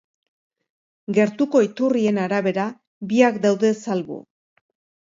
Gertuko iturrien arabera biak daude salbu.